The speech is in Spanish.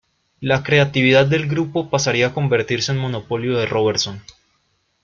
La creatividad del grupo pasaría a convertirse en monopolio de Robertson.